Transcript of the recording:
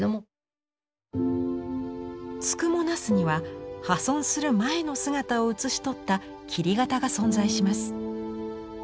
「付藻茄子」には破損する前の姿を写し取った切型が存在します。